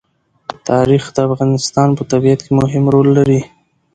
تاریخ د افغانستان په طبیعت کې مهم رول لري.